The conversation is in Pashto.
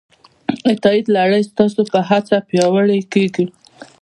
د تایید لړۍ ستاسو په هڅه پیاوړې کېږي.